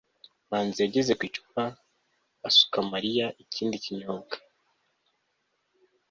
manzi yageze ku icupa asuka mariya ikindi kinyobwa